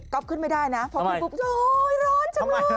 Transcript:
ก็ขึ้นไม่ได้นะพอขึ้นปุ๊บโอ๊ยร้อนจังเลย